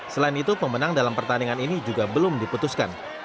selain itu pemenang dalam pertandingan ini juga belum diputuskan